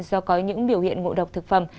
do có những biểu hiện ngộ độc thực phẩm